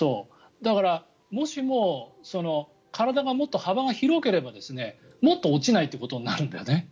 だからもしも体の幅がもっと広ければもっと落ちないということになるんだよね。